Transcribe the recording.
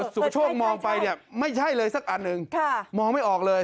สุประโชคมองไปเนี่ยไม่ใช่เลยสักอันหนึ่งมองไม่ออกเลย